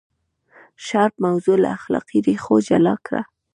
شارپ موضوع له اخلاقي ریښو جلا کړه.